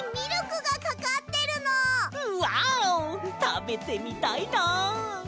たべてみたいな。